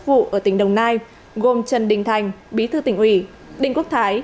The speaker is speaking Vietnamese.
có chức vụ ở tỉnh đồng nai gồm trần đình thành bí thư tỉnh ủy đinh quốc thái